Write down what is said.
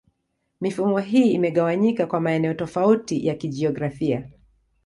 Mifumo hii imegawanyika kwa maeneo tofauti ya kijiografia.